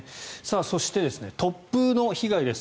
そして、突風の被害です。